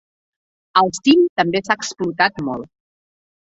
El cim també s'ha explotat molt.